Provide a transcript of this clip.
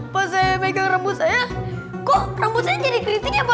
pas saya megang rambut saya kok rambut saya jadi kritik ya pak